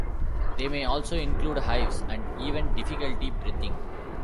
They may also include hives and even difficulty breathing.